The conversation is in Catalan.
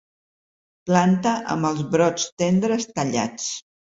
Planta amb els brots tendres tallats.